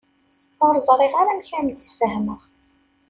Ur ẓriɣ ara amek ara am-d-sfehmeɣ.